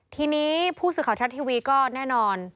ทีนี้ผู้สื่อข่าวทัศน์ทีวีก็แน่นอน